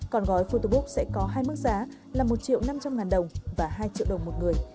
còn gói foutubook sẽ có hai mức giá là một triệu năm trăm linh ngàn đồng và hai triệu đồng một người